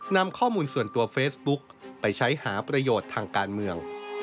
นำข้อมูลส่วนตัวเฟซบุ๊กไปใช้หาประโยชน์ทางการเมือง